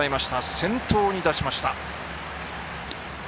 先頭を出しました。